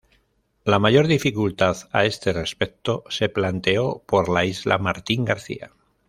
La mayor dificultad a este respecto se planteó por la isla Martín García.